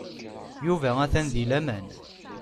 Yuba atan di laman.